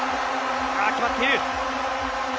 決まっている。